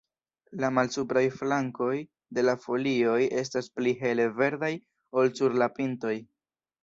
La malsupraj flankoj de la folioj estas pli hele verdaj ol sur la pintoj.